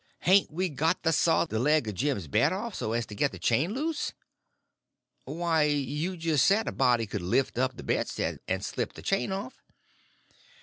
Hain't we got to saw the leg of Jim's bed off, so as to get the chain loose?" "Why, you just said a body could lift up the bedstead and slip the chain off."